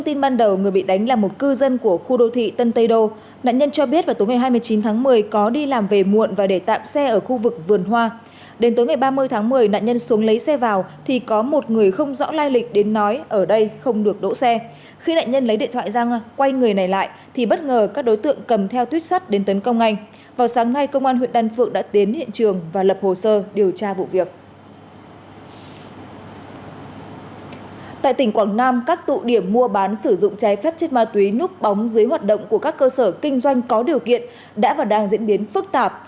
tại tỉnh quảng nam các tụ điểm mua bán sử dụng trái phép chết ma túy núp bóng dưới hoạt động của các cơ sở kinh doanh có điều kiện đã và đang diễn biến phức tạp